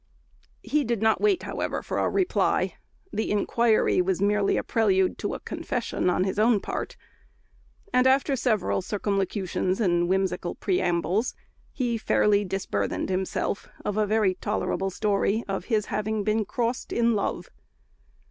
He did not wait, however, for a reply; the inquiry was merely a prelude to a confession on his own part, and after several circumlocutions and whimsical preambles, he fairly disburthened himself of a very tolerable story of his having been crossed in love.